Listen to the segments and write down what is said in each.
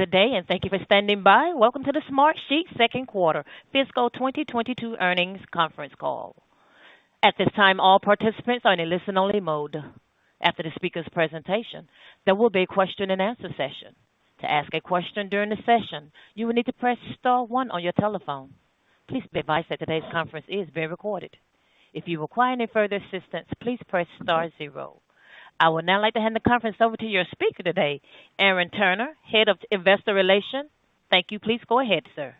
Good day, and thank you for standing by. Welcome to the Smartsheet second quarter fiscal 2022 earnings conference call. At this time, all participants are in a listen-only mode. After the speaker's presentation, there will be a question-and-answer session. To ask a question during the session, you will need to press star one on your telephone. Please be advised that today's conference is being recorded. If you require any further assistance, please press star zero. I would now like to hand the conference over to your speaker today, Aaron Turner, Head of Investor Relations. Thank you. Please go ahead, sir.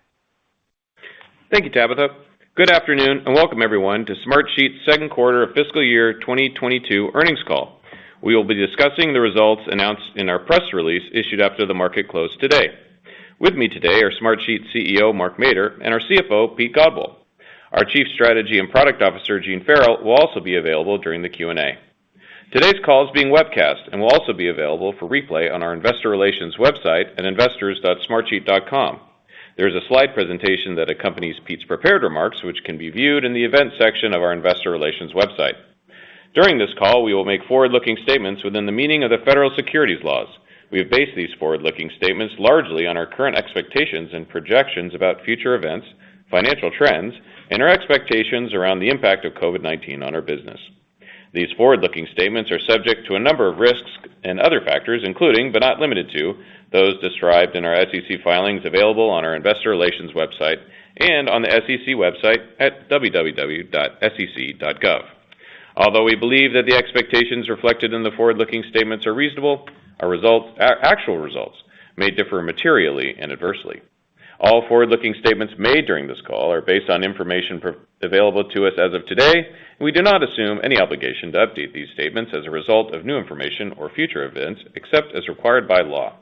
Thank you, Tabitha. Good afternoon, and welcome everyone to Smartsheet's second quarter fiscal year 2022 earnings call. We will be discussing the results announced in our press release issued after the market closed today. With me today are Smartsheet CEO, Mark Mader, and our CFO, Pete Godbole. Our Chief Strategy and Product Officer, Gene Farrell, will also be available during the Q&A. Today's call is being webcast and will also be available for replay on our investor relations website at investors.smartsheet.com. There is a slide presentation that accompanies Pete's prepared remarks, which can be viewed in the events section of our investor relations website. During this call, we will make forward-looking statements within the meaning of the federal securities laws. We have based these forward-looking statements largely on our current expectations and projections about future events, financial trends, and our expectations around the impact of COVID-19 on our business. These forward-looking statements are subject to a number of risks and other factors, including, but not limited to, those described in our SEC filings available on our investor relations website and on the SEC website at www.sec.gov. Although we believe that the expectations reflected in the forward-looking statements are reasonable, our actual results may differ materially and adversely. All forward-looking statements made during this call are based on information available to us as of today, and we do not assume any obligation to update these statements as a result of new information or future events, except as required by law.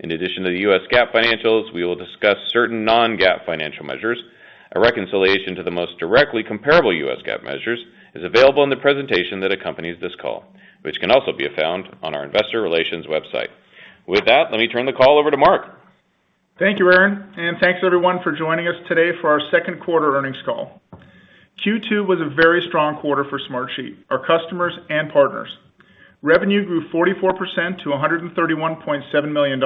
In addition to the U.S. GAAP financials, we will discuss certain non-GAAP financial measures. A reconciliation to the most directly comparable U.S. GAAP measures is available in the presentation that accompanies this call, which can also be found on our investor relations website. With that, let me turn the call over to Mark. Thank you, Aaron. Thanks everyone for joining us today for our second quarter earnings call. Q2 was a very strong quarter for Smartsheet, our customers, and partners. Revenue grew 44% to $131.7 million.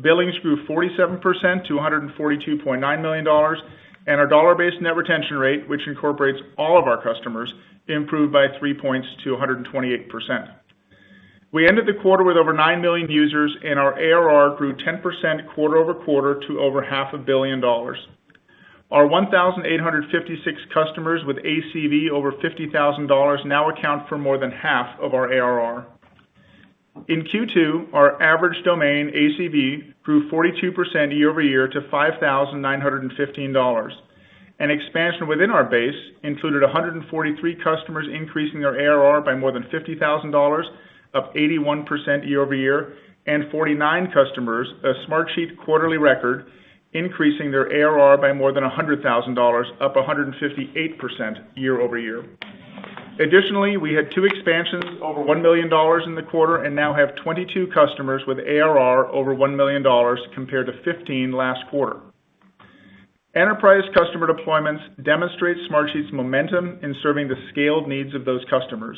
Billings grew 47% to $142.9 million. Our dollar-based net retention rate, which incorporates all of our customers, improved by 3 points to 128%. We ended the quarter with over 9 million users. Our ARR grew 10% quarter-over-quarter to over half a billion dollars. Our 1,856 customers with ACV over $50,000 now account for more than half of our ARR. In Q2, our average domain ACV grew 42% year-over year to $5,915. An expansion within our base included 143 customers increasing their ARR by more than $50,000, up 81% year-over year, and 49 customers, a Smartsheet quarterly record, increasing their ARR by more than $100,000, up 158% year-over year. Additionally, we had two expansions over $1 million in the quarter and now have 22 customers with ARR over $1 million compared to 15 last quarter. Enterprise customer deployments demonstrate Smartsheet's momentum in serving the scaled needs of those customers.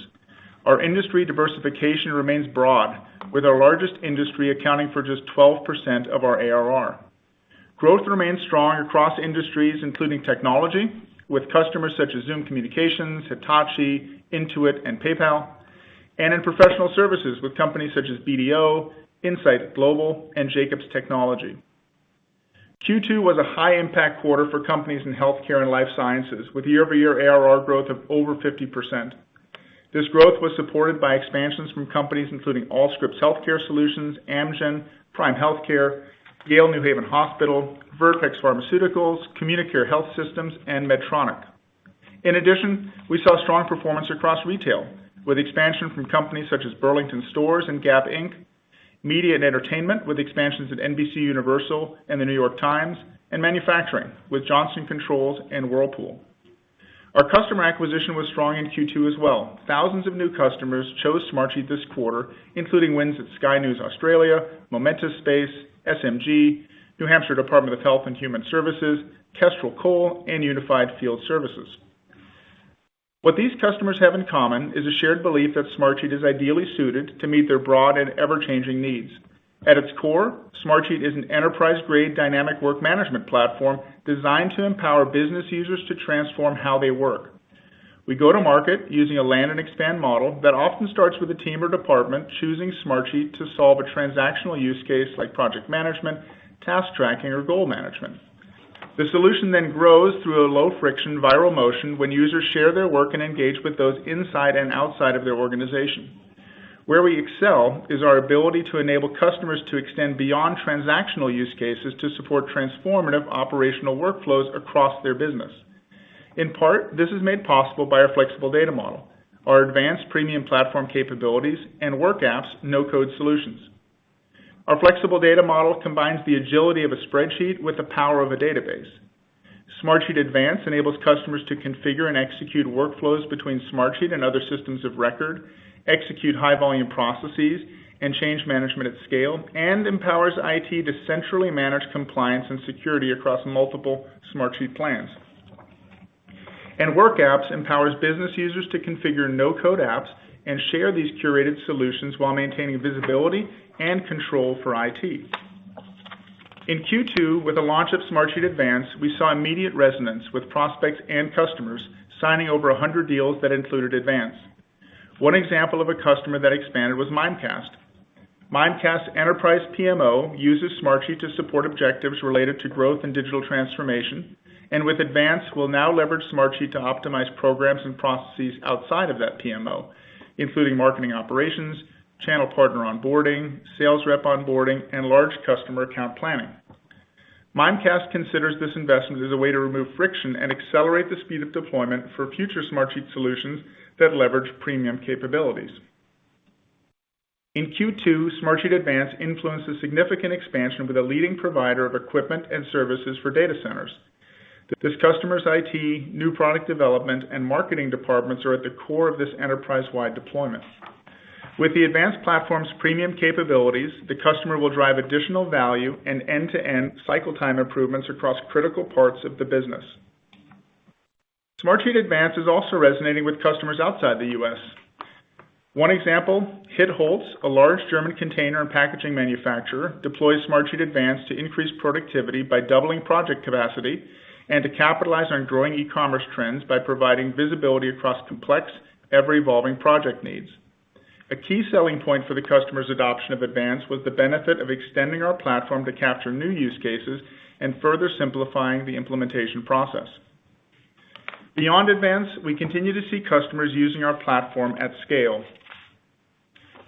Our industry diversification remains broad, with our largest industry accounting for just 12% of our ARR. Growth remains strong across industries, including technology, with customers such as Zoom Video Communications, Hitachi, Intuit, and PayPal, and in professional services with companies such as BDO, Insight Global, and Jacobs Technology. Q2 was a high-impact quarter for companies in healthcare and life sciences, with YoY ARR growth of over 50%. This growth was supported by expansions from companies including Allscripts Healthcare Solutions, Amgen, Prime Healthcare, Yale New Haven Hospital, Vertex Pharmaceuticals, CommuniCare Health Systems, and Medtronic. In addition, we saw strong performance across retail, with expansion from companies such as Burlington Stores and Gap Inc. Media and entertainment, with expansions at NBCUniversal and The New York Times, and manufacturing, with Johnson Controls and Whirlpool. Our customer acquisition was strong in Q2 as well. Thousands of new customers chose Smartsheet this quarter, including wins at Sky News Australia, Momentus Space, SMG, New Hampshire Department of Health and Human Services, Kestrel Coal, and Unified Field Services. What these customers have in common is a shared belief that Smartsheet is ideally suited to meet their broad and ever-changing needs. At its core, Smartsheet is an enterprise-grade dynamic work management platform designed to empower business users to transform how they work. We go to market using a land-and-expand model that often starts with a team or department choosing Smartsheet to solve a transactional use case like project management, task tracking, or goal management. The solution then grows through a low-friction, viral motion when users share their work and engage with those inside and outside of their organization. Where we excel is our ability to enable customers to extend beyond transactional use cases to support transformative operational workflows across their business. In part, this is made possible by our flexible data model, our advanced premium platform capabilities, and WorkApps no-code solutions. Our flexible data model combines the agility of a spreadsheet with the power of a database. Smartsheet Advance enables customers to configure and execute workflows between Smartsheet and other systems of record, execute high-volume processes, and change management at scale, and empowers IT to centrally manage compliance and security across multiple Smartsheet plans. WorkApps empowers business users to configure no-code apps and share these curated solutions while maintaining visibility and control for IT. In Q2, with the launch of Smartsheet Advance, we saw immediate resonance with prospects and customers, signing over 100 deals that included Advance. One example of a customer that expanded was Mimecast. Mimecast Enterprise PMO uses Smartsheet to support objectives related to growth and digital transformation, and with Advance, will now leverage Smartsheet to optimize programs and processes outside of that PMO, including marketing operations, channel partner onboarding, sales rep onboarding, and large customer account planning. Mimecast considers this investment as a way to remove friction and accelerate the speed of deployment for future Smartsheet solutions that leverage premium capabilities. In Q2, Smartsheet Advance influenced a significant expansion with a leading provider of equipment and services for data centers. This customer's IT, new product development, and marketing departments are at the core of this enterprise-wide deployment. With the Advance platform's premium capabilities, the customer will drive additional value and end-to-end cycle time improvements across critical parts of the business. Smartsheet Advance is also resonating with customers outside the U.S. One example, HIT Holz, a large German container and packaging manufacturer, deploys Smartsheet Advance to increase productivity by doubling project capacity and to capitalize on growing e-commerce trends by providing visibility across complex, ever-evolving project needs. A key selling point for the customer's adoption of Advance was the benefit of extending our platform to capture new use cases and further simplifying the implementation process. Beyond Advance, we continue to see customers using our platform at scale.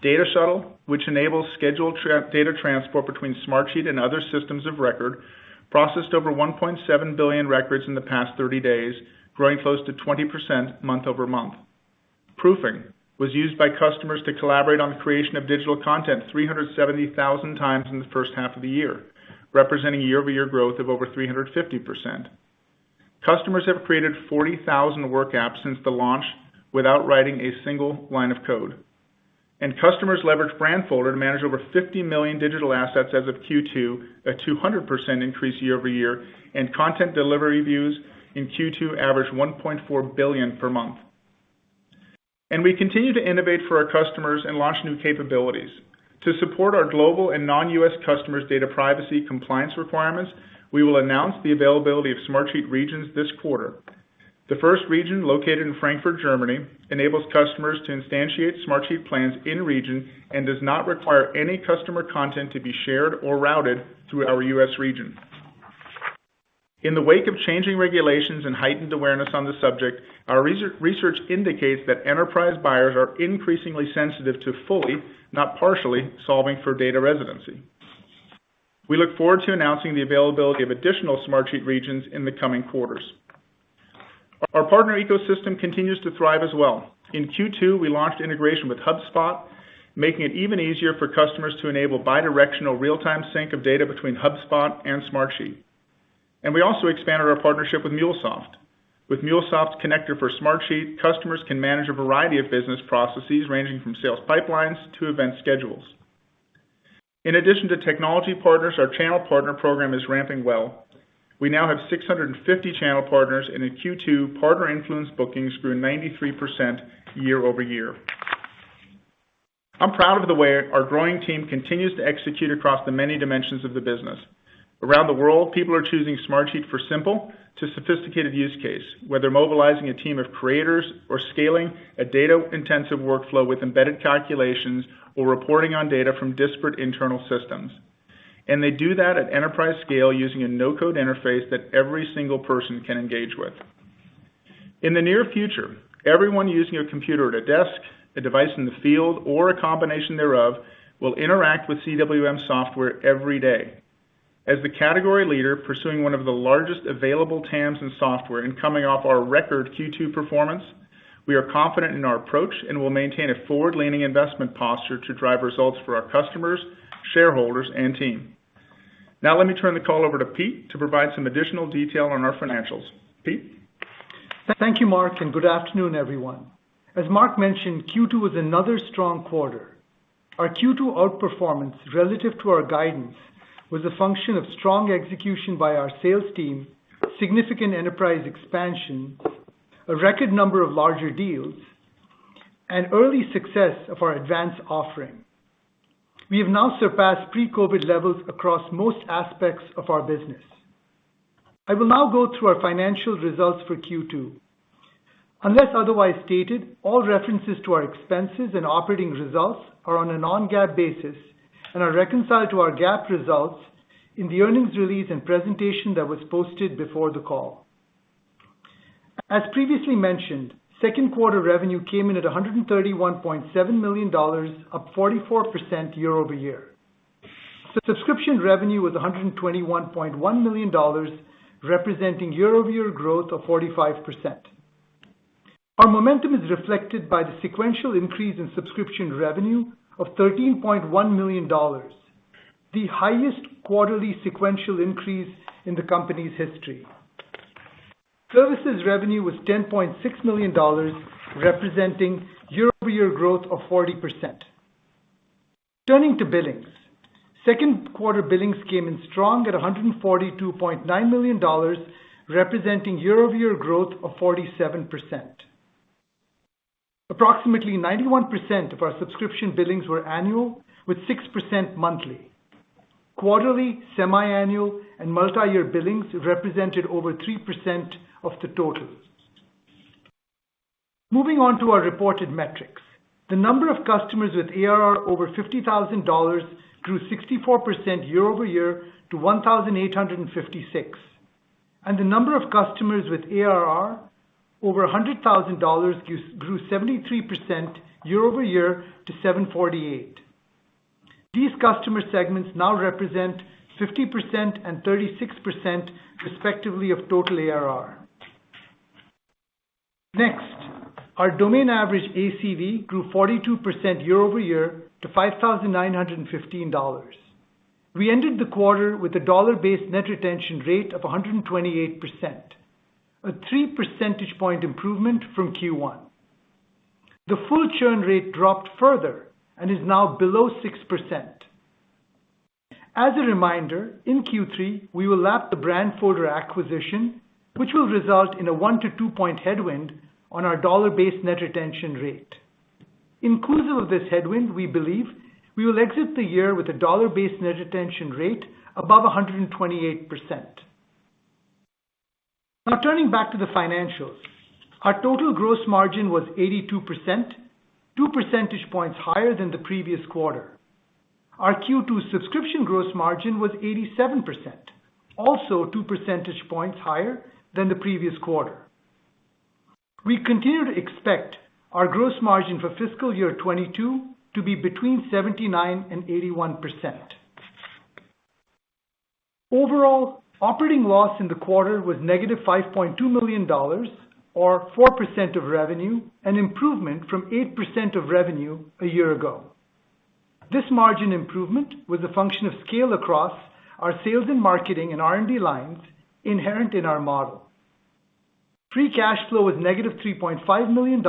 Data Shuttle, which enables scheduled data transport between Smartsheet and other systems of record, processed over 1.7 billion records in the past 30 days, growing close to 20% month-over-month. Proofing was used by customers to collaborate on the creation of digital content 370,000 times in the first half of the year, representing YoY growth of over 350%. Customers have created 40,000 WorkApps since the launch without writing a single line of code. Customers leveraged Brandfolder to manage over 50 million digital assets as of Q2, a 200% increase YoY, and content delivery views in Q2 averaged 1.4 billion per month. We continue to innovate for our customers and launch new capabilities. To support our global and non-U.S. customers' data privacy compliance requirements, we will announce the availability of Smartsheet Regions this quarter. The first region, located in Frankfurt, Germany, enables customers to instantiate Smartsheet plans in-region and does not require any customer content to be shared or routed through our U.S. region. In the wake of changing regulations and heightened awareness on the subject, our research indicates that enterprise buyers are increasingly sensitive to fully, not partially, solving for data residency. We look forward to announcing the availability of additional Smartsheet Regions in the coming quarters. Our partner ecosystem continues to thrive as well. In Q2, we launched integration with HubSpot, making it even easier for customers to enable bidirectional real-time sync of data between HubSpot and Smartsheet. We also expanded our partnership with MuleSoft. With MuleSoft's connector for Smartsheet, customers can manage a variety of business processes, ranging from sales pipelines to event schedules. In addition to technology partners, our channel partner program is ramping well. We now have 650 channel partners, and in Q2, partner-influenced bookings grew 93% year-over year. I'm proud of the way our growing team continues to execute across the many dimensions of the business. Around the world, people are choosing Smartsheet for simple to sophisticated use case, whether mobilizing a team of creators or scaling a data-intensive workflow with embedded calculations or reporting on data from disparate internal systems. They do that at enterprise scale using a no-code interface that every single person can engage with. In the near future, everyone using a computer at a desk, a device in the field, or a combination thereof, will interact with CWM software every day. As the category leader pursuing one of the largest available TAMs in software and coming off our record Q2 performance, we are confident in our approach and will maintain a forward-leaning investment posture to drive results for our customers, shareholders, and team. Now, let me turn the call over to Pete to provide some additional detail on our financials. Pete? Thank you, Mark, and good afternoon, everyone. As Mark mentioned, Q2 was another strong quarter. Our Q2 outperformance relative to our guidance was a function of strong execution by our sales team, significant enterprise expansion, a record number of larger deals, and early success of our Advance offering. We have now surpassed pre-COVID levels across most aspects of our business. I will now go through our financial results for Q2. Unless otherwise stated, all references to our expenses and operating results are on a non-GAAP basis and are reconciled to our GAAP results in the earnings release and presentation that was posted before the call. As previously mentioned, second quarter revenue came in at $131.7 million, up 44% year-over year. Subscription revenue was $121.1 million, representing year-over year growth of 45%. Our momentum is reflected by the sequential increase in subscription revenue of $13.1 million, the highest quarterly sequential increase in the company's history. Services revenue was $10.6 million, representing year-over year growth of 40%. Turning to billings. Second quarter billings came in strong at $142.9 million, representing year-over year growth of 47%. Approximately 91% of our subscription billings were annual, with 6% monthly. Quarterly, semi-annual, and multi-year billings represented over 3% of the total. Moving on to our reported metrics. The number of customers with ARR over $50,000 grew 64% year-over year to 1,856, and the number of customers with ARR over $100,000 grew 73% year-over year to 748. These customer segments now represent 50% and 36% respectively of total ARR. Our domain average ACV grew 42% year-over year to $5,915. We ended the quarter with a dollar-based net retention rate of 128%, a 3 percentage point improvement from Q1. The full churn rate dropped further and is now below 6%. As a reminder, in Q3, we will lap the Brandfolder acquisition, which will result in a one to two-point headwind on our dollar-based net retention rate. Inclusive of this headwind, we believe we will exit the year with a dollar-based net retention rate above 128%. Now, turning back to the financials. Our total gross margin was 82%, 2 percentage points higher than the previous quarter. Our Q2 subscription gross margin was 87%, also 2 percentage points higher than the previous quarter. We continue to expect our gross margin for fiscal year 2022 to be between 79% and 81%. Overall, operating loss in the quarter was -$5.2 million or 4% of revenue, an improvement from 8% of revenue a year ago. This margin improvement was a function of scale across our sales and marketing and R&D lines inherent in our model. Free cash flow was -$3.5 million,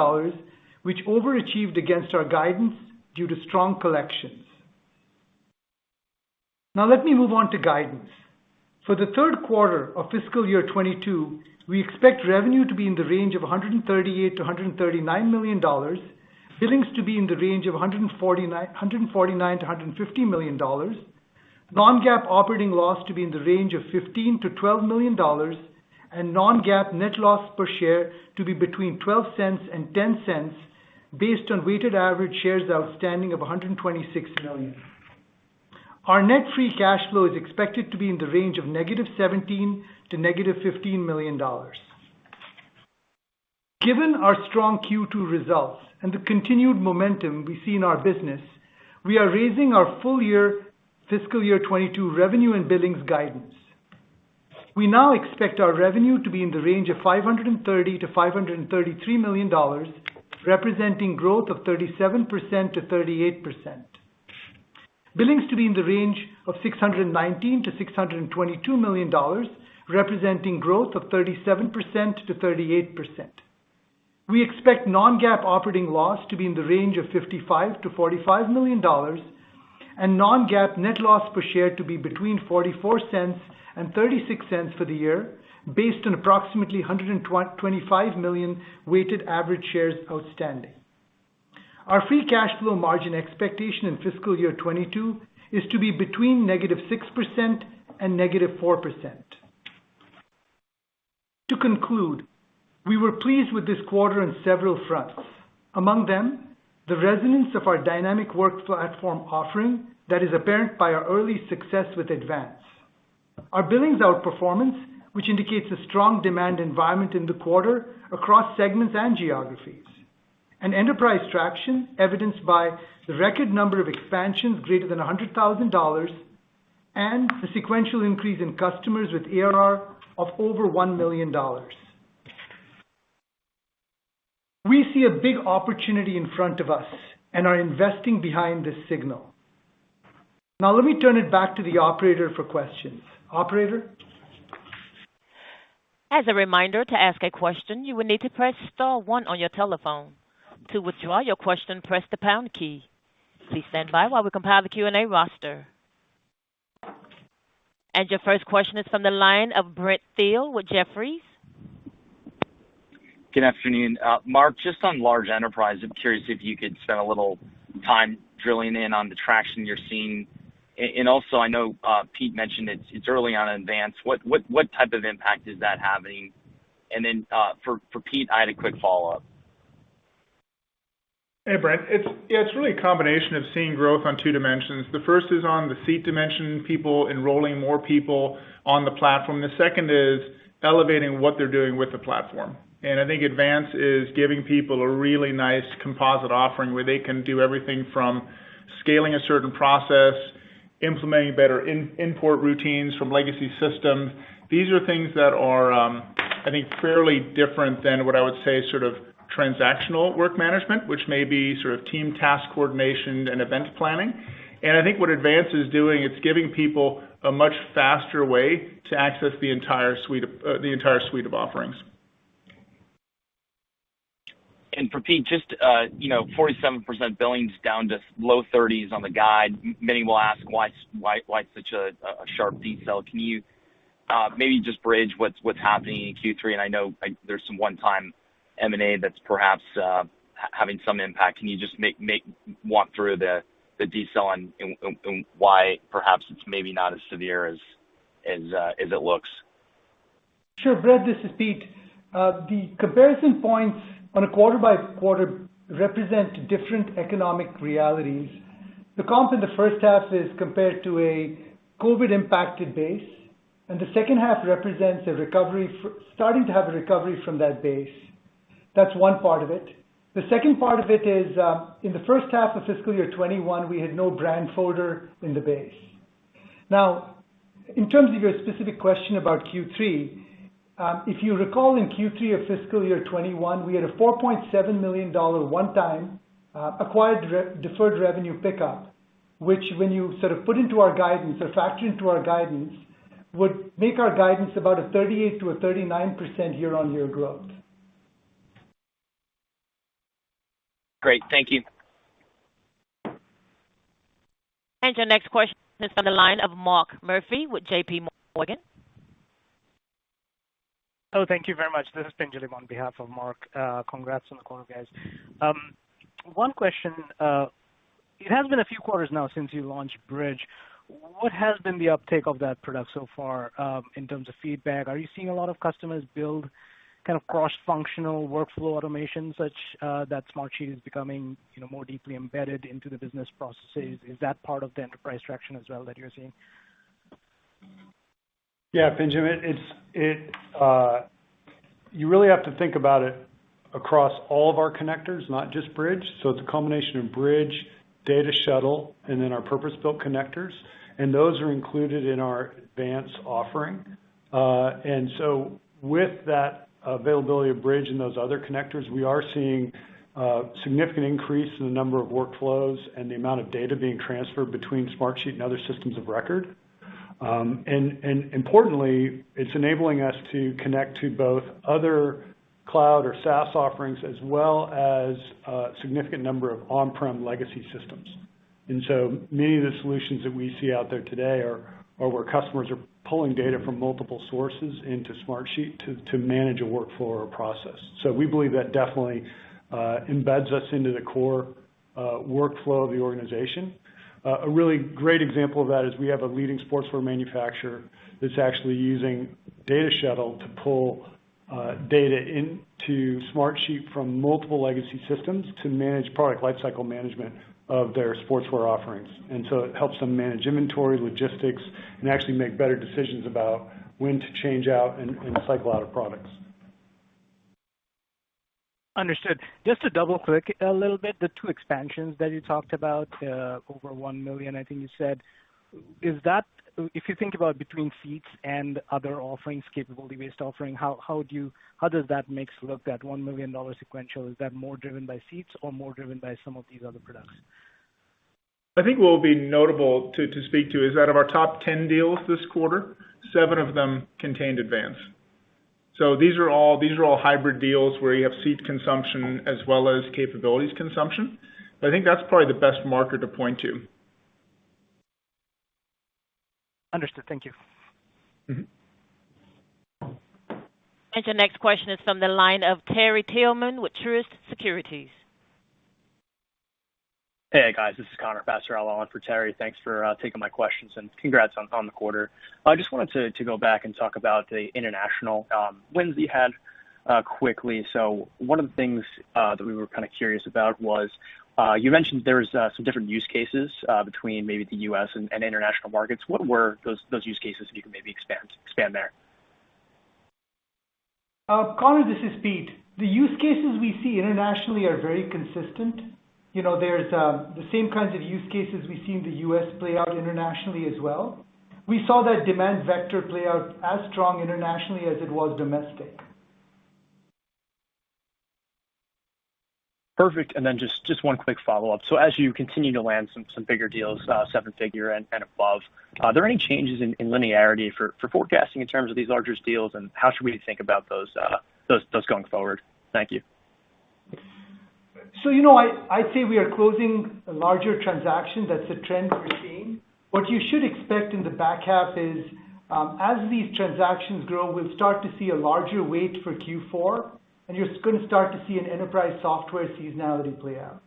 which overachieved against our guidance due to strong collections. Let me move on to guidance. For the third quarter of fiscal year 2022, we expect revenue to be in the range of $138 million-$139 million, billings to be in the range of $149 million-$150 million, non-GAAP operating loss to be in the range of $15 million-$12 million, and non-GAAP net loss per share to be between $0.12 and $0.10 based on weighted average shares outstanding of 126 million. Our net free cash flow is expected to be in the range of -$17 million to -$15 million. Given our strong Q2 results and the continued momentum we see in our business, we are raising our full year fiscal year 2022 revenue and billings guidance. We now expect our revenue to be in the range of $530 million-$533 million, representing growth of 37%-38%. Billings to be in the range of $619 million-$622 million, representing growth of 37%-38%. We expect non-GAAP operating loss to be in the range of $55 million-$45 million and non-GAAP net loss per share to be between $0.44 and $0.36 for the year, based on approximately 125 million weighted average shares outstanding. Our free cash flow margin expectation in fiscal year 2022 is to be between -6% and -4%. To conclude, we were pleased with this quarter on several fronts. Among them, the resonance of our dynamic work platform offering that is apparent by our early success with Advance. Our billings outperformance, which indicates a strong demand environment in the quarter across segments and geographies. Enterprise traction evidenced by the record number of expansions greater than $100,000 and the sequential increase in customers with ARR of over $1 million. We see a big opportunity in front of us and are investing behind this signal. Let me turn it back to the operator for questions. Operator? Your first question is from the line of Brent Thill with Jefferies. Good afternoon. Mark, just on large enterprise, I'm curious if you could spend a little time drilling in on the traction you're seeing. Also, I know Pete mentioned it's early on Smartsheet Advance. What type of impact is that having? Then, for Pete, I had a quick follow-up. Hey, Brent. It's really a combination of seeing growth on two dimensions. The first is on the seat dimension, people enrolling more people on the platform. The second is elevating what they're doing with the platform. I think Advance is giving people a really nice composite offering where they can do everything from scaling a certain process, implementing better import routines from legacy systems. These are things that are, I think, fairly different than what I would say sort of transactional work management, which may be sort of team task coordination and event planning. I think what Advance is doing, it's giving people a much faster way to access the entire suite of offerings. For Pete, 47% billings down to low 30s on the guide. Many will ask why such a sharp decel. Can you maybe just bridge what's happening in Q3? I know there's some one-time M&A that's perhaps having some impact. Can you just walk through the decel and why perhaps it's maybe not as severe as it looks? Sure, Brent, this is Pete. The comparison points on a QoQ represent different economic realities. The comp in the first half is compared to a COVID-19-impacted base, and the second half represents starting to have a recovery from that base. That's one part of it. The second part of it is, in the first half of fiscal year 2021, we had no Brandfolder in the base. In terms of your specific question about Q3, if you recall, in Q3 of fiscal year 2021, we had a $4.7 million one-time acquired deferred revenue pickup, which when you sort of put into our guidance or factor into our guidance, would make our guidance about a 38%-39% year-over year growth. Great. Thank you. Your next question is on the line of Mark Murphy with JPMorgan. Thank you very much. This is Pinjalim on behalf of Mark. Congrats on the quarter, guys. One question. It has been a few quarters now since you launched Bridge. What has been the uptake of that product so far in terms of feedback? Are you seeing a lot of customers build kind of cross-functional workflow automation, such that Smartsheet is becoming more deeply embedded into the business processes? Is that part of the enterprise traction as well that you're seeing? Pinjalim, you really have to think about it across all of our connectors, not just Bridge. It's a combination of Bridge, Data Shuttle, and then our purpose-built connectors, and those are included in our Smartsheet Advance. With that availability of Bridge and those other connectors, we are seeing a significant increase in the number of workflows and the amount of data being transferred between Smartsheet and other systems of record. Importantly, it's enabling us to connect to both other cloud or SaaS offerings, as well as a significant number of on-prem legacy systems. Many of the solutions that we see out there today are where customers are pulling data from multiple sources into Smartsheet to manage a workflow or a process. We believe that definitely embeds us into the core workflow of the organization. A really great example of that is we have a leading sportswear manufacturer that's actually using Data Shuttle to pull data into Smartsheet from multiple legacy systems to manage product life cycle management of their sportswear offerings. It helps them manage inventory, logistics, and actually make better decisions about when to change out and cycle out of products. Understood. Just to double-click a little bit, the two expansions that you talked about, over $1 million, I think you said, if you think about between seats and other offerings, capability-based offering, how does that mix look at $1 million sequential? Is that more driven by seats or more driven by some of these other products? I think what will be notable to speak to is out of our top 10 deals this quarter, seven of them contained Advance. These are all hybrid deals where you have seat consumption as well as capabilities consumption. I think that's probably the best marker to point to. Understood. Thank you. Your next question is from the line of Terry Tillman with Truist Securities. Hey, guys, this is Connor Passarella on for Terry. Thanks for taking my questions, and congrats on the quarter. I just wanted to go back and talk about the international wins you had quickly. One of the things that we were kind of curious about was, you mentioned there is some different use cases between maybe the U.S. and international markets. What were those use cases, if you could maybe expand there? Connor, this is Pete. The use cases we see internationally are very consistent. There's the same kinds of use cases we see in the U.S. play out internationally as well. We saw that demand vector play out as strong internationally as it was domestic. Perfect. Just one quick follow-up. As you continue to land some bigger deals, seven-figure and above, are there any changes in linearity for forecasting in terms of these larger deals, and how should we think about those going forward? Thank you. I'd say we are closing larger transactions. That's a trend we're seeing. What you should expect in the back half is, as these transactions grow, we'll start to see a larger weight for Q4, and you're going to start to see an enterprise software seasonality play out.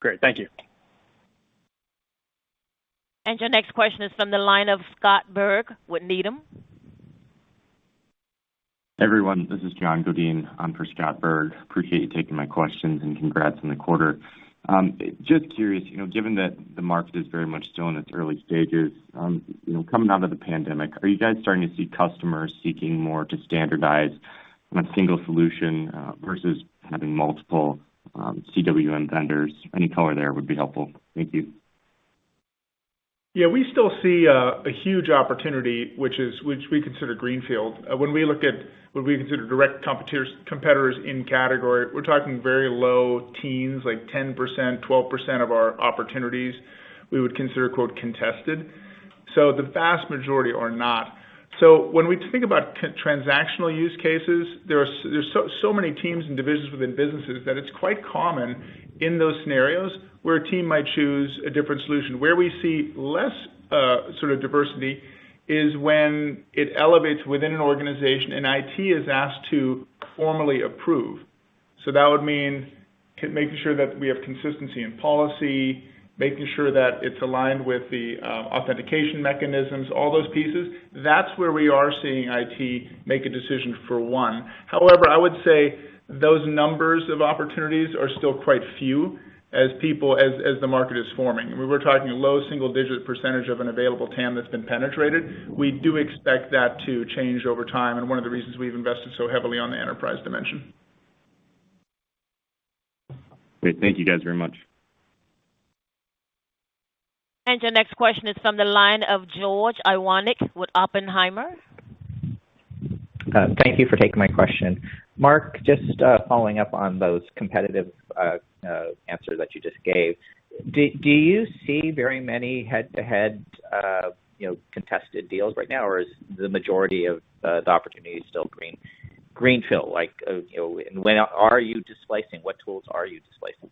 Great. Thank you. Your next question is from the line of Scott Berg with Needham. Everyone, this is John Godin on for Scott Berg. Appreciate you taking my questions, and congrats on the quarter. Just curious, given that the market is very much still in its early stages, coming out of the pandemic, are you guys starting to see customers seeking more to standardize on a single solution versus having multiple CWM vendors? Any color there would be helpful. Thank you. We still see a huge opportunity, which we consider greenfield. When we look at what we consider direct competitors in category, we're talking very low teens, like 10%, 12% of our opportunities we would consider, quote, contested. The vast majority are not. When we think about transactional use cases, there's so many teams and divisions within businesses that it's quite common in those scenarios where a team might choose a different solution. Where we see less sort of diversity is when it elevates within an organization and IT is asked to formally approve. That would mean making sure that we have consistency in policy, making sure that it's aligned with the authentication mechanisms, all those pieces. That's where we are seeing IT make a decision for one. However, I would say those numbers of opportunities are still quite few as the market is forming. We were talking a low single-digit % of an available TAM that's been penetrated. We do expect that to change over time, and one of the reasons we've invested so heavily on the enterprise dimension. Great. Thank you guys very much. Your next question is from the line of George Iwanyc with Oppenheimer. Thank you for taking my question. Mark, just following up on those competitive answers that you just gave, do you see very many head-to-head contested deals right now, or is the majority of the opportunities still greenfield? When are you displacing? What tools are you displacing?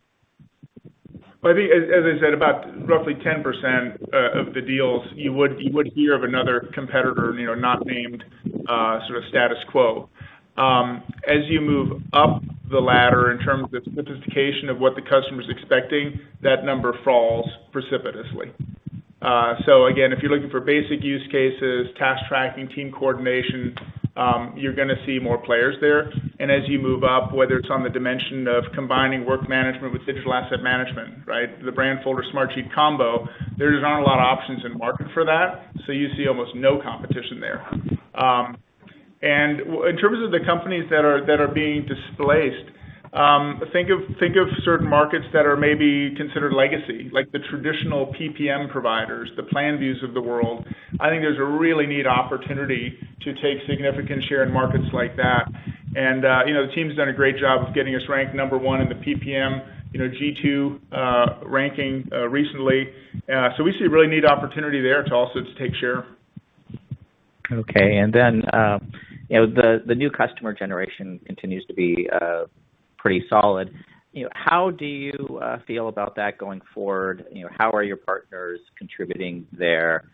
Well, I think as I said, about roughly 10% of the deals you would hear of another competitor, not named sort of status quo. As you move up the ladder in terms of the sophistication of what the customer's expecting, that number falls precipitously. Again, if you're looking for basic use cases, task tracking, team coordination, you're going to see more players there. As you move up, whether it's on the dimension of combining work management with digital asset management, the Brandfolder Smartsheet combo, there just aren't a lot of options in market for that. You see almost no competition there. In terms of the companies that are being displaced, think of certain markets that are maybe considered legacy, like the traditional PPM providers, the Planview of the world. I think there's a really neat opportunity to take significant share in markets like that. The team's done a great job of getting us ranked number one in the PPM G2 ranking recently. We see a really neat opportunity there to also take share. Okay, the new customer generation continues to be pretty solid. How do you feel about that going forward? How are your partners contributing there,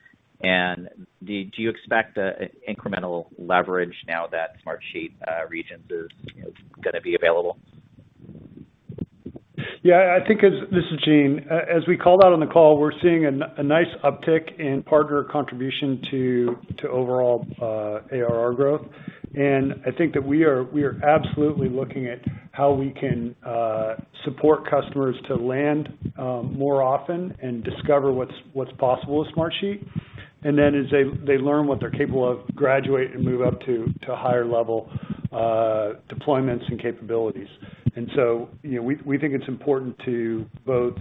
and do you expect incremental leverage now that Smartsheet Regions is going to be available? Yeah. This is Gene. As we called out on the call, we're seeing a nice uptick in partner contribution to overall ARR growth. I think that we are absolutely looking at how we can support customers to land more often and discover what's possible with Smartsheet. Then as they learn what they're capable of, graduate and move up to higher-level deployments and capabilities. We think it's important to both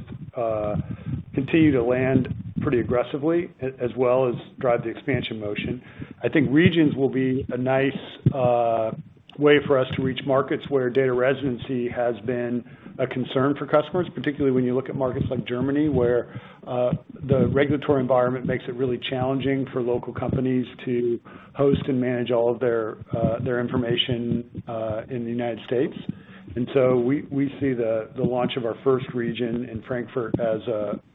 continue to land pretty aggressively, as well as drive the expansion motion. I think Smartsheet Regions will be a nice way for us to reach markets where data residency has been a concern for customers, particularly when you look at markets like Germany, where the regulatory environment makes it really challenging for local companies to host and manage all of their information in the United States. We see the launch of our first region in Frankfurt as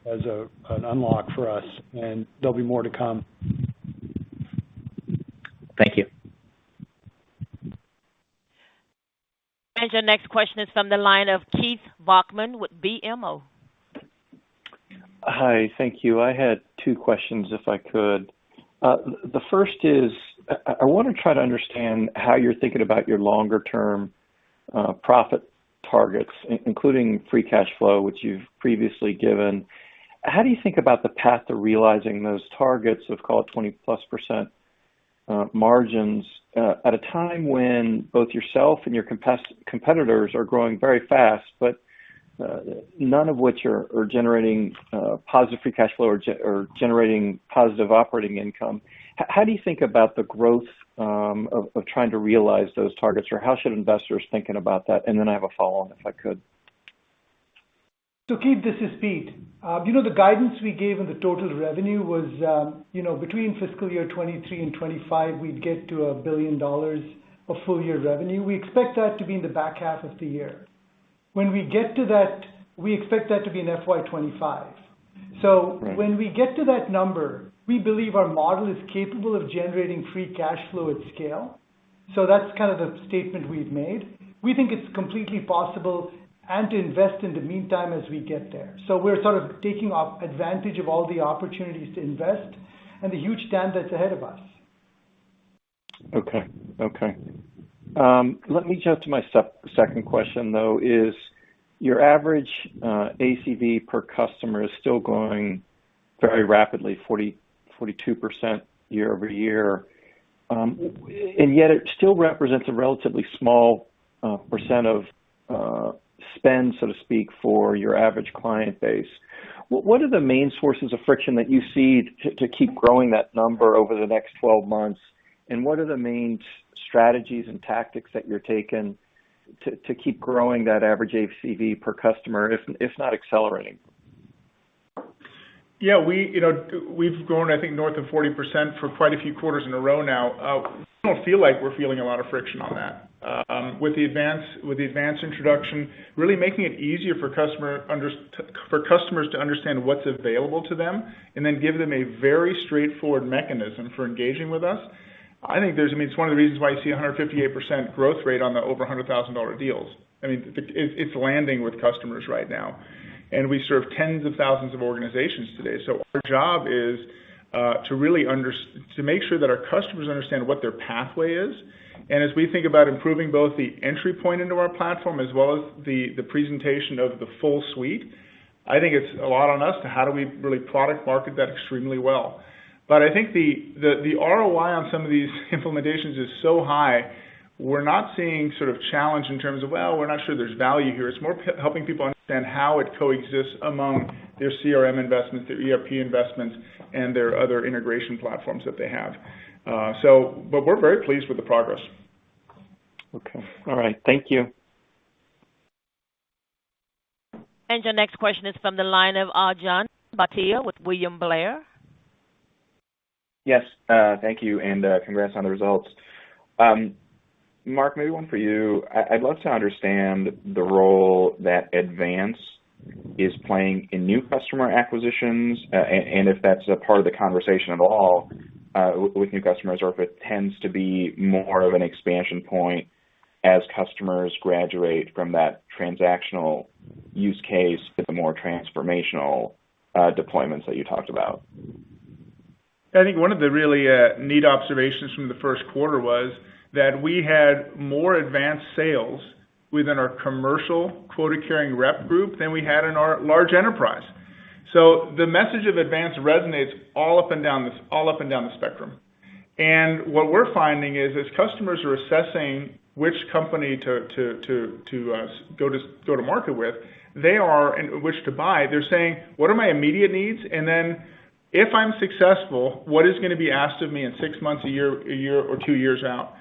an unlock for us, and there'll be more to come. Thank you. Your next question is from the line of Keith Bachman with BMO. Hi. Thank you. I had two questions, if I could. The first is, I want to try to understand how you're thinking about your longer-term profit targets, including free cash flow, which you've previously given. How do you think about the path to realizing those targets of call it 20%+ margins at a time when both yourself and your competitors are growing very fast, but none of which are generating positive free cash flow or generating positive operating income. How do you think about the growth of trying to realize those targets, or how should investors thinking about that? I have a follow-on, if I could. Keith, this is Pete. The guidance we gave on the total revenue was between fiscal year 2023 and 2025, we'd get to $1 billion of full-year revenue. We expect that to be in the back half of the year. When we get to that, we expect that to be in FY 2025. Right. When we get to that number, we believe our model is capable of generating free cash flow at scale. That's kind of the statement we've made. We think it's completely possible, and to invest in the meantime as we get there. We're sort of taking advantage of all the opportunities to invest and the huge demand that's ahead of us. Okay. Let me jump to my second question, though, is your average ACV per customer is still growing very rapidly, 42% year-over year. Yet it still represents a relatively small % of spend, so to speak, for your average client base. What are the main sources of friction that you see to keep growing that number over the next 12 months, and what are the main strategies and tactics that you're taking to keep growing that average ACV per customer, if not accelerating. Yeah. We've grown, I think, north of 40% for quite a few quarters in a row now. I don't feel like we're feeling a lot of friction on that. With the Advance introduction, really making it easier for customers to understand what's available to them, and then give them a very straightforward mechanism for engaging with us. It's one of the reasons why you see 158% growth rate on the over $100,000 deals. It's landing with customers right now. We serve tens of thousands of organizations today. Our job is to make sure that our customers understand what their pathway is. As we think about improving both the entry point into our platform as well as the presentation of the full suite, I think it's a lot on us to how do we really product market that extremely well. I think the ROI on some of these implementations is so high, we're not seeing sort of challenge in terms of, "Well, we're not sure there's value here." It's more helping people understand how it coexists among their CRM investments, their ERP investments, and their other integration platforms that they have. We're very pleased with the progress. Okay. All right. Thank you. Your next question is from the line of Arjun Bhatia with William Blair. Yes. Thank you, and congrats on the results. Mark, maybe one for you. I'd love to understand the role that Advance is playing in new customer acquisitions, and if that's a part of the conversation at all, with new customers, or if it tends to be more of an expansion point as customers graduate from that transactional use case to the more transformational deployments that you talked about. I think one of the really neat observations from the 1st quarter was that we had more Advance sales within our commercial quota-carrying rep group than we had in our large enterprise. The message of Advance resonates all up and down the spectrum. What we're finding is as customers are assessing which company to go to market with, which to buy, they're saying, "What are my immediate needs? Then if I'm successful, what is going to be asked of me in six months, a year, or two years out?"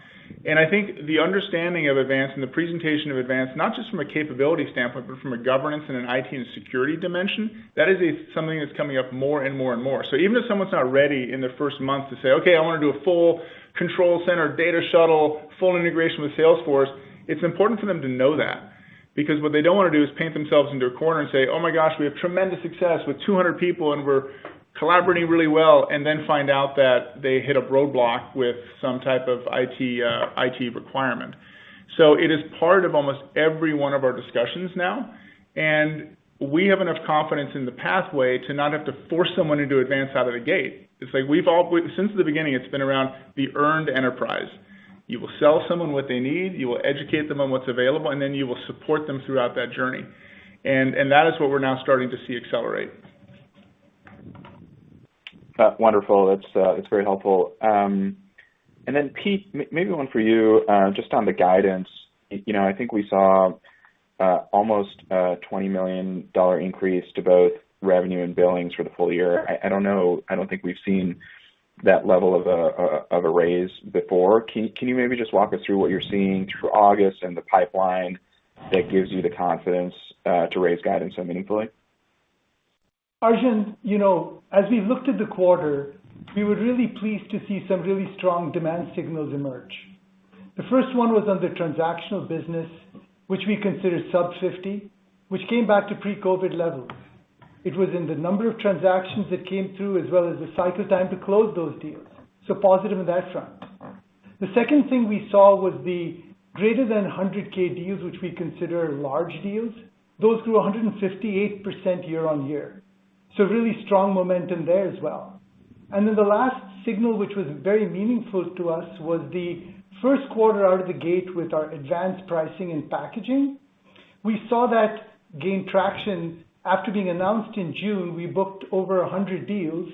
I think the understanding of Advance and the presentation of Advance, not just from a capability standpoint, but from a governance and an IT and security dimension, that is something that's coming up more and more and more. Even if someone's not ready in their first month to say, "Okay, I want to do a full Control Center Data Shuttle, full integration with Salesforce," it's important for them to know that, because what they don't want to do is paint themselves into a corner and say, "Oh my gosh, we have tremendous success with 200 people, and we're collaborating really well," and then find out that they hit a roadblock with some type of IT requirement. It is part of almost every one of our discussions now, and we have enough confidence in the pathway to not have to force someone into Advance out of the gate. Since the beginning, it's been around the earned enterprise. You will sell someone what they need, you will educate them on what's available, and then you will support them throughout that journey. That is what we're now starting to see accelerate. Wonderful. That's very helpful. Then Pete, maybe one for you, just on the guidance. I think we saw almost a $20 million increase to both revenue and billings for the full year. I don't think we've seen that level of a raise before. Can you maybe just walk us through what you're seeing through August and the pipeline that gives you the confidence to raise guidance so meaningfully? Arjun, as we looked at the quarter, we were really pleased to see some really strong demand signals emerge. The first one was on the transactional business, which we consider sub 50, which came back to pre-COVID levels. It was in the number of transactions that came through as well as the cycle time to close those deals. Positive on that front. The second thing we saw was the greater than 100K deals, which we consider large deals. Those grew 158% year-on-year. Really strong momentum there as well. The last signal, which was very meaningful to us, was the first quarter out of the gate with our Advance pricing and packaging. We saw that gain traction. After being announced in June, we booked over 100 deals,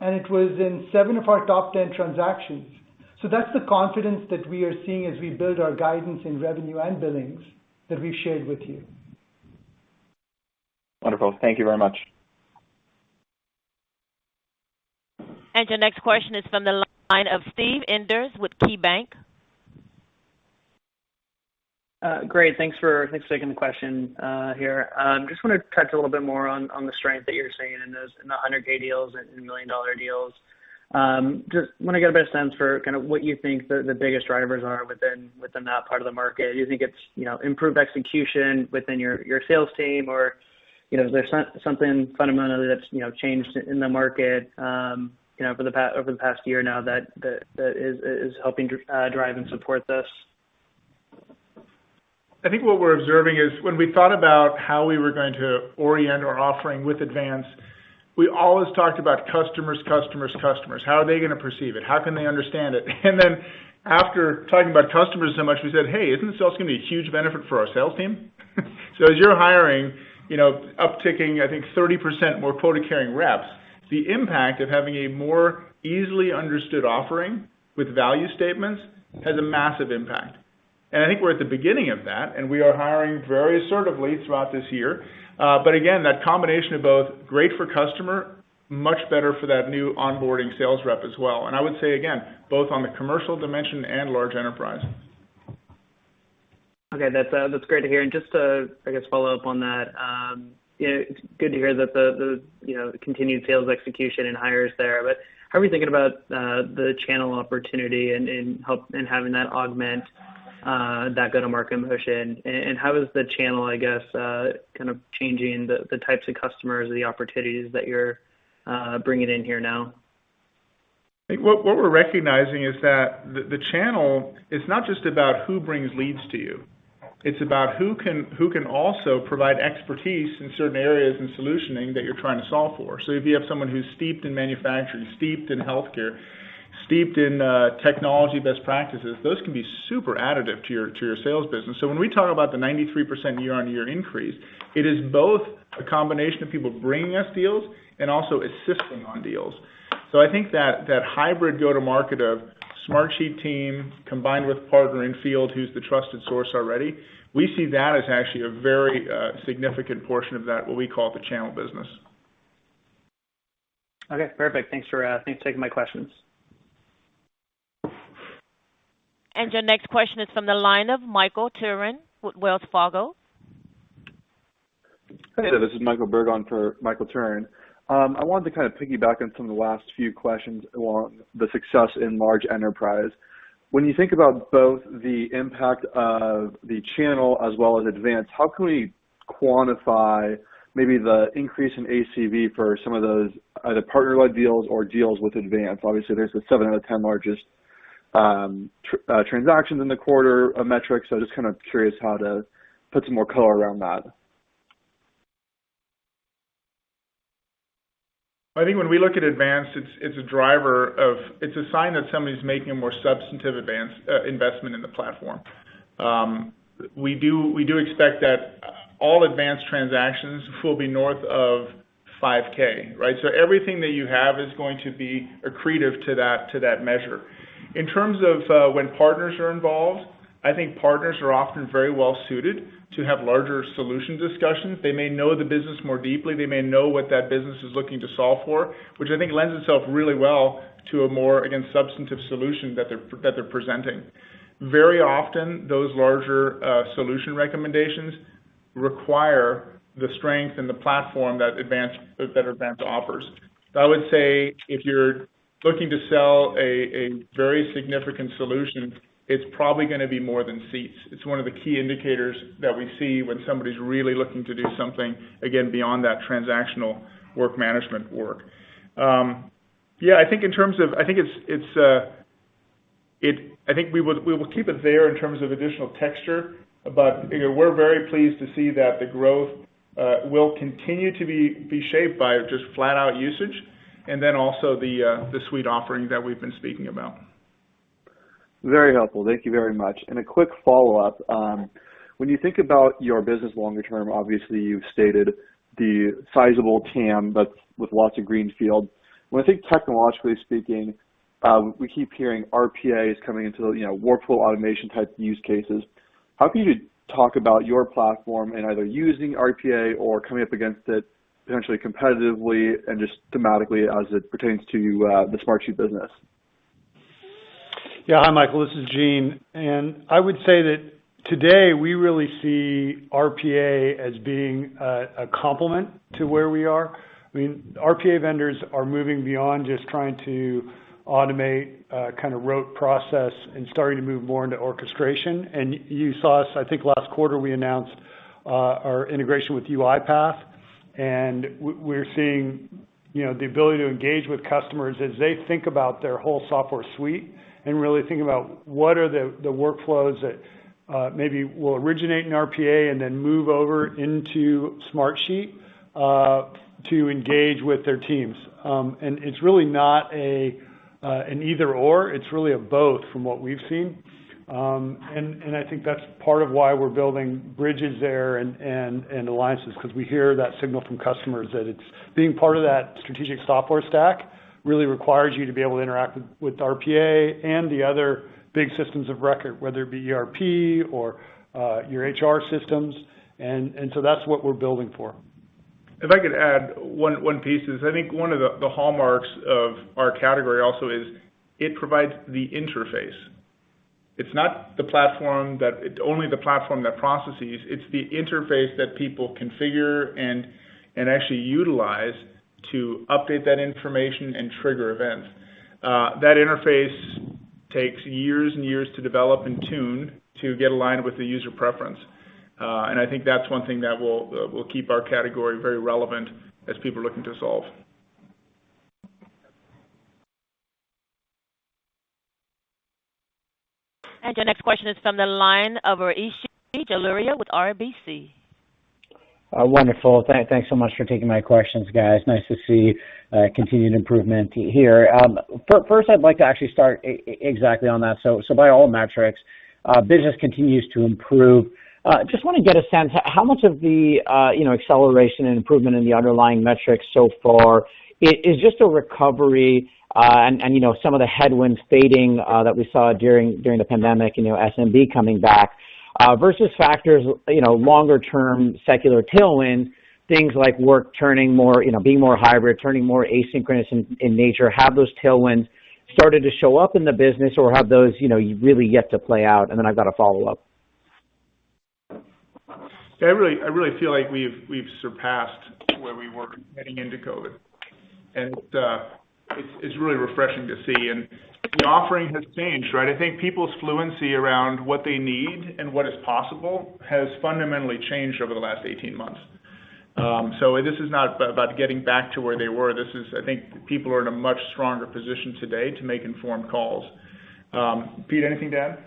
and it was in seven of our top 10 transactions. That's the confidence that we are seeing as we build our guidance in revenue and billings that we've shared with you. Wonderful. Thank you very much. Your next question is from the line of Steve Enders with KeyBanc. Great. Thanks for taking the question here. Just want to touch a little bit more on the strength that you're seeing in the 100K deals and the million-dollar deals. Just want to get a better sense for kind of what you think the biggest drivers are within that part of the market. Do you think it's improved execution within your sales team, or is there something fundamental that's changed in the market over the past year now that is helping drive and support this? I think what we're observing is when we thought about how we were going to orient our offering with Advance, we always talked about customers, customers. How are they going to perceive it? How can they understand it? After talking about customers so much, we said, "Hey, isn't this also going to be a huge benefit for our sales team?" As you're hiring, upticking, I think 30% more quota-carrying reps, the impact of having a more easily understood offering with value statements has a massive impact. I think we're at the beginning of that, and we are hiring very assertively throughout this year. Again, that combination of both great for customer. Much better for that new onboarding sales rep as well. I would say again, both on the commercial dimension and large enterprise. Okay, that's great to hear. Just to, I guess, follow up on that, it's good to hear the continued sales execution and hires there, how are you thinking about the channel opportunity and having that augment that go-to-market motion? How is the channel, I guess, kind of changing the types of customers or the opportunities that you're bringing in here now? I think what we're recognizing is that the channel is not just about who brings leads to you. It's about who can also provide expertise in certain areas in solutioning that you're trying to solve for. If you have someone who's steeped in manufacturing, steeped in healthcare, steeped in technology best practices, those can be super additive to your sales business. When we talk about the 93% year-on-year increase, it is both a combination of people bringing us deals and also assisting on deals. I think that that hybrid go-to-market of Smartsheet team combined with partnering field, who's the trusted source already, we see that as actually a very significant portion of that, what we call the channel business. Okay, perfect. Thanks for taking my questions. Your next question is from the line of Michael Turrin with Wells Fargo. Hey there, this is Michael Berg on for Michael Turrin. I wanted to kind of piggyback on some of the last few questions along the success in large enterprise. When you think about both the impact of the channel as well as Advance, how can we quantify maybe the increase in ACV for some of those, either partner-led deals or deals with Advance? Obviously, there's the seven out of 10 largest transactions in the quarter metrics. Just kind of curious how to put some more color around that. I think when we look at Advance, it's a sign that somebody's making a more substantive investment in the platform. We do expect that all Advance transactions will be north of $5,000, right? Everything that you have is going to be accretive to that measure. In terms of when partners are involved, I think partners are often very well-suited to have larger solution discussions. They may know the business more deeply. They may know what that business is looking to solve for, which I think lends itself really well to a more, again, substantive solution that they're presenting. Very often, those larger solution recommendations require the strength and the platform that Advance offers. I would say if you're looking to sell a very significant solution, it's probably going to be more than seats. It's one of the key indicators that we see when somebody's really looking to do something, again, beyond that transactional work management work. I think we will keep it there in terms of additional texture, but we're very pleased to see that the growth will continue to be shaped by just flat out usage and then also the suite offering that we've been speaking about. Very helpful. Thank you very much. A quick follow-up. When you think about your business longer term, obviously, you've stated the sizable TAM, but with lots of greenfield. When I think technologically speaking, we keep hearing RPAs coming into workflow automation type use cases. How can you talk about your platform in either using RPA or coming up against it potentially competitively and just thematically as it pertains to the Smartsheet business? Yeah. Hi, Michael. This is Gene. I would say that today, we really see RPA as being a complement to where we are. RPA vendors are moving beyond just trying to automate a kind of rote process and starting to move more into orchestration. You saw us, I think last quarter, we announced our integration with UiPath, and we're seeing the ability to engage with customers as they think about their whole software suite and really think about what are the workflows that maybe will originate in RPA and then move over into Smartsheet, to engage with their teams. It's really not an either/or. It's really a both from what we've seen. I think that's part of why we're building bridges there and alliances because we hear that signal from customers that it's being part of that strategic software stack really requires you to be able to interact with RPA and the other big systems of record, whether it be ERP or your HR systems. That's what we're building for. If I could add one piece is I think one of the hallmarks of our category also is it provides the interface. It's not only the platform that processes, it's the interface that people configure and actually utilize to update that information and trigger events. That interface takes years and years to develop and tune to get aligned with the user preference. I think that's one thing that will keep our category very relevant as people are looking to solve. Your next question is from the line of Rishi Jaluria with RBC. Wonderful. Thanks so much for taking my questions, guys. Nice to see continued improvement here. First, I'd like to actually start exactly on that. By all metrics, business continues to improve. Just want to get a sense, how much of the acceleration and improvement in the underlying metrics so far is just a recovery, and some of the headwinds fading that we saw during the pandemic, SMB coming back, versus factors, longer-term secular tailwinds, things like work being more hybrid, turning more asynchronous in nature? Have those tailwinds started to show up in the business or have those really yet to play out? I've got a follow-up. I really feel like we've surpassed where we were heading into COVID-19. It's really refreshing to see. The offering has changed, right? I think people's fluency around what they need and what is possible has fundamentally changed over the last 18 months. This is not about getting back to where they were. I think people are in a much stronger position today to make informed calls. Pete, anything to add?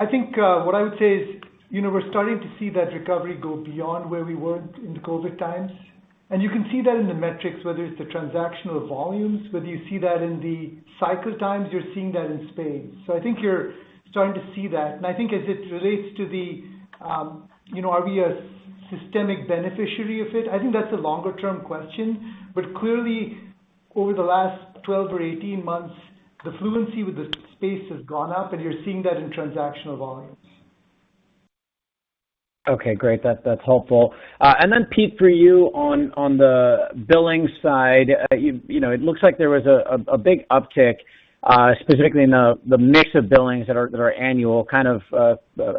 I think what I would say is, we're starting to see that recovery go beyond where we were in the COVID times. You can see that in the metrics, whether it's the transactional volumes, whether you see that in the cycle times, you're seeing that in spades. I think you're starting to see that. I think as it relates to the, are we a systemic beneficiary of it? I think that's a longer-term question. Clearly over the last 12 or 18 months, the fluency with the space has gone up, and you're seeing that in transactional volumes. Okay, great. That's helpful. Then Pete, for you on the billing side, it looks like there was a big uptick, specifically in the mix of billings that are annual, kind of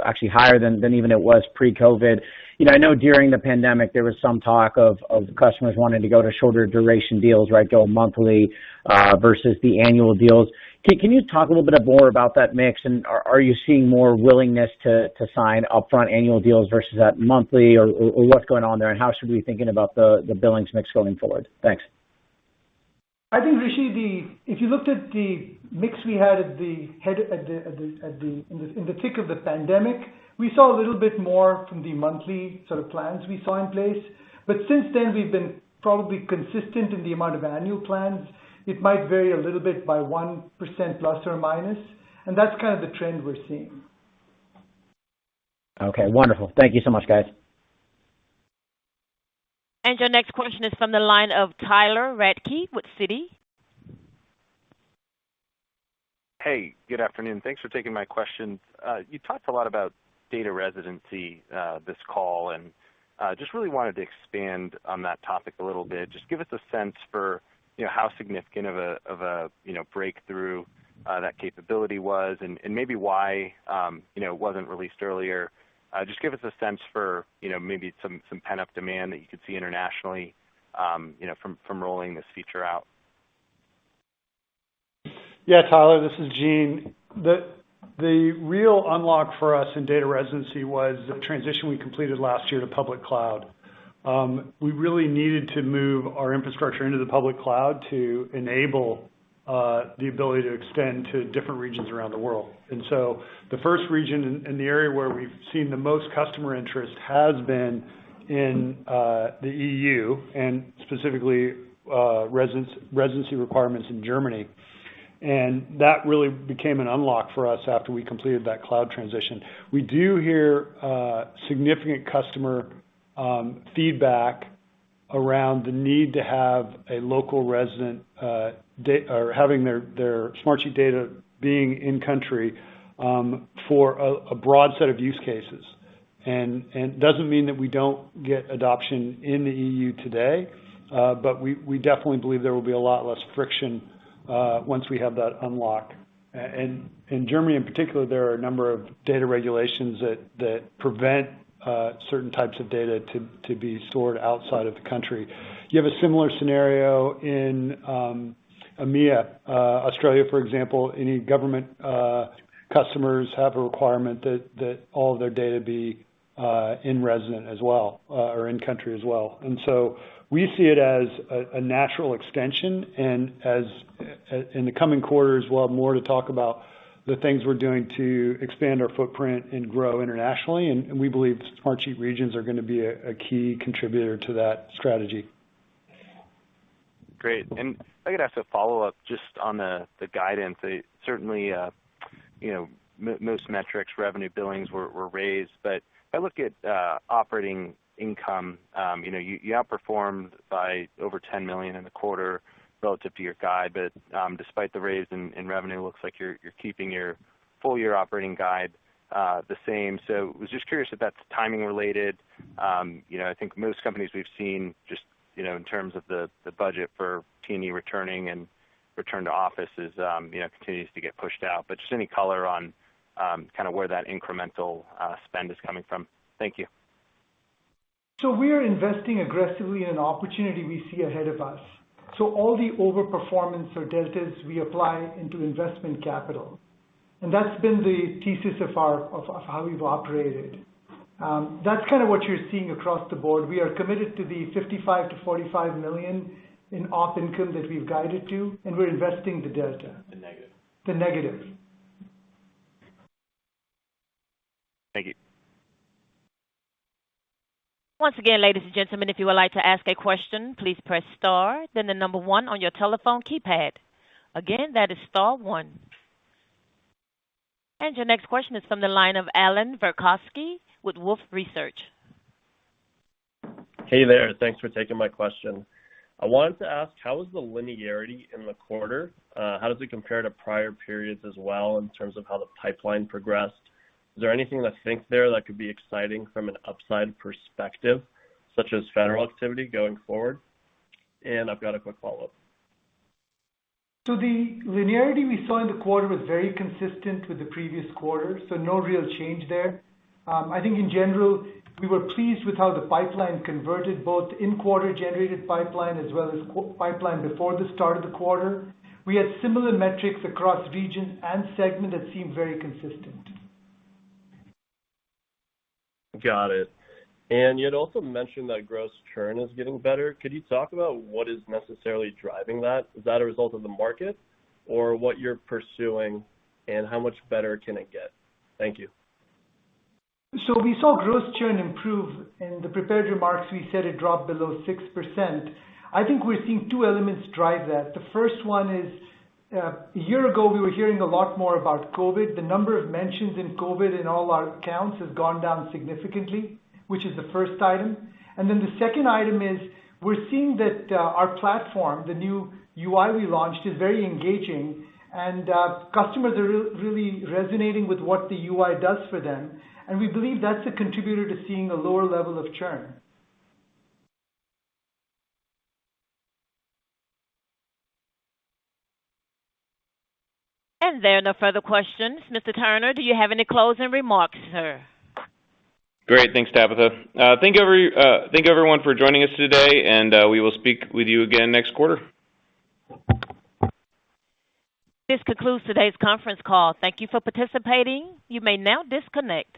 actually higher than even it was pre-COVID. I know during the pandemic there was some talk of customers wanting to go to shorter duration deals, go monthly versus the annual deals. Can you talk a little bit more about that mix? Are you seeing more willingness to sign upfront annual deals versus that monthly or what's going on there? How should we be thinking about the billings mix going forward? Thanks. I think, Rishi, if you looked at the mix we had in the thick of the pandemic, we saw a little bit more from the monthly sort of plans we saw in place. Since then we've been probably consistent in the amount of annual plans. It might vary a little bit by 1%±, and that's kind of the trend we're seeing. Okay, wonderful. Thank you so much, guys. Your next question is from the line of Tyler Radke with Citi. Hey, good afternoon. Thanks for taking my questions. You talked a lot about data residency this call, and just really wanted to expand on that topic a little bit. Just give us a sense for how significant of a breakthrough that capability was, and maybe why it wasn't released earlier. Just give us a sense for maybe some pent-up demand that you could see internationally from rolling this feature out. Yeah, Tyler, this is Gene. The real unlock for us in data residency was the transition we completed last year to public cloud. We really needed to move our infrastructure into the public cloud to enable the ability to extend to different regions around the world. The first region in the area where we've seen the most customer interest has been in the EU, specifically residency requirements in Germany. That really became an unlock for us after we completed that cloud transition. We do hear significant customer feedback around the need to have a local resident, or having their Smartsheet data being in country for a broad set of use cases. It doesn't mean that we don't get adoption in the EU today. We definitely believe there will be a lot less friction once we have that unlock. In Germany in particular, there are a number of data regulations that prevent certain types of data to be stored outside of the country. You have a similar scenario in APAC, Australia, for example, any government customers have a requirement that all of their data be in-resident as well, or in country as well. We see it as a natural extension and in the coming quarters, we'll have more to talk about the things we're doing to expand our footprint and grow internationally, and we believe Smartsheet Regions are going to be a key contributor to that strategy. Great. If I could ask a follow-up just on the guidance. Certainly, most metrics, revenue billings were raised. I look at operating income, you outperformed by over $10 million in the quarter relative to your guide. Despite the raise in revenue, looks like you're keeping your full-year operating guide the same. Was just curious if that's timing-related. I think most companies we've seen just in terms of the budget for T&E returning and return to office continues to get pushed out. Just any color on where that incremental spend is coming from. Thank you. We are investing aggressively in an opportunity we see ahead of us. All the overperformance or deltas we apply into investment capital. That's been the thesis of how we've operated. That's kind of what you're seeing across the board. We are committed to the $55 million to $45 million in Op income that we've guided to, and we're investing the delta. The negative. The negative. Thank you. Once again, ladies and gentlemen, if you would like to ask a question, please press star, then the number one on your telephone keypad. Again, that is star one. Your next question is from the line of Allan Verkhovski with Wolfe Research. Hey there. Thanks for taking my question. I wanted to ask, how was the linearity in the quarter? How does it compare to prior periods as well in terms of how the pipeline progressed? Is there anything to think there that could be exciting from an upside perspective, such as federal activity going forward? I've got a quick follow-up. The linearity we saw in the quarter was very consistent with the previous quarter, so no real change there. I think in general, we were pleased with how the pipeline converted both in-quarter generated pipeline as well as pipeline before the start of the quarter. We had similar metrics across regions and segment that seemed very consistent. Got it. You had also mentioned that gross churn is getting better. Could you talk about what is necessarily driving that? Is that a result of the market or what you're pursuing, and how much better can it get? Thank you. We saw gross churn improve. In the prepared remarks, we said it dropped below 6%. I think we're seeing two elements drive that. The first one is, a year ago, we were hearing a lot more about COVID. The number of mentions in COVID in all our accounts has gone down significantly, which is the first item. The second item is we're seeing that our platform, the new UI we launched, is very engaging, and customers are really resonating with what the UI does for them. We believe that's a contributor to seeing a lower level of churn. There are no further questions. Mr. Turner, do you have any closing remarks, sir? Great. Thanks, Tabitha. Thank you, everyone, for joining us today, and we will speak with you again next quarter. This concludes today's conference call. Thank you for participating. You may now disconnect.